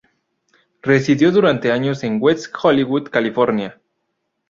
Residió durante años en West Hollywood, California.